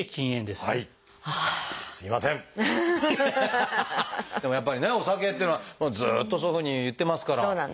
でもやっぱりねお酒っていうのはずっとそういうふうに言ってますから。